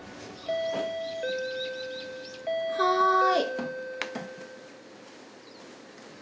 はい。